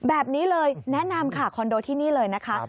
แบบนี้เลยแนะนำค่ะคอนโดที่นี่เลยนะคะ